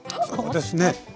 そうですね。